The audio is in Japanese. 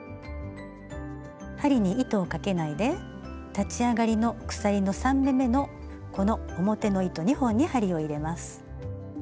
針に糸をかけないで立ち上がりの鎖３目めのこの表の糸２本に針を入れます。